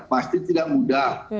pasti tidak mudah